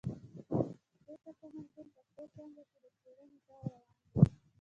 کوټه پوهنتون پښتو څانګه کښي د څېړني کار روان دی.